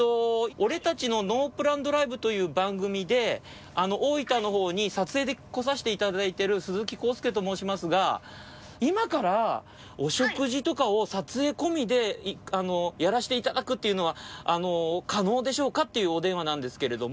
『俺達のノープラン×ドライブ』という番組で大分の方に撮影で来さしていただいてる鈴木浩介と申しますが今からお食事とかを撮影込みでやらしていただくっていうのは可能でしょうか？っていうお電話なんですけれども。